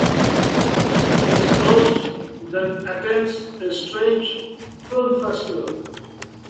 His ghost then attends a strange film festival.